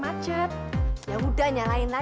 harusnya mereka semua tuh berduka karena ayah meninggal